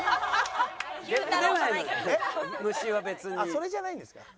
それじゃないんですか。